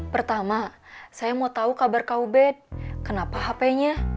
pertama saya mau tahu kabar kau bed kenapa hp nya